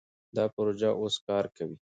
دا پروژه اوس کار کوي.